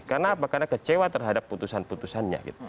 karena apa karena kecewa terhadap putusan putusannya gitu